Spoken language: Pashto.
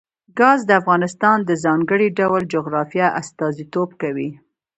ګاز د افغانستان د ځانګړي ډول جغرافیه استازیتوب کوي.